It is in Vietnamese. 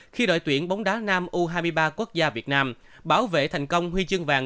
khi đội tuyển bóng đá nam u hai mươi ba quốc gia việt nam bảo vệ thành công huy chương vàng